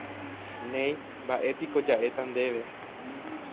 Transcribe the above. Néi, mba'épiko ja'éta ndéve.